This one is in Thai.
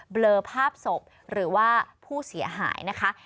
เลอภาพศพหรือว่าผู้เสียหายนะคะ